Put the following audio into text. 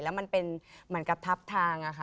แล้วมันเป็นเหมือนกับทับทางอะค่ะ